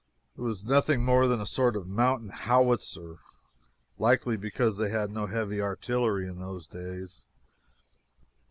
He was nothing more than a sort of a mountain howitzer, likely, because they had no heavy artillery in those days.